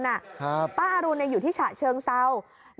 ในบ้านของป้าอรุณน่ะป้าอรุณอยู่ที่ฉะเชิงเซา